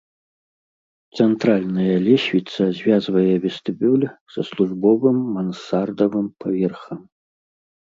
Цэнтральная лесвіца звязвае вестыбюль са службовым мансардавым паверхам.